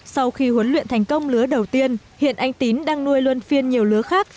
sau khi huấn luyện thành công lứa đầu tiên hiện anh tín đang nuôi luôn phiên nhiều lứa khác